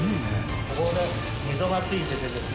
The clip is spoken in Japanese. ここに溝がついててですね